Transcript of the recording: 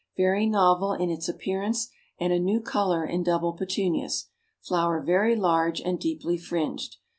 Very novel in its appearance and a new color in double petunias; flower very large and deeply fringed.